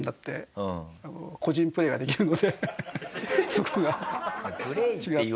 そこが。